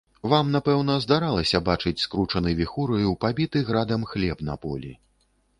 Вам, напэўна, здаралася бачыць скручаны віхураю, пабіты градам хлеб на полі.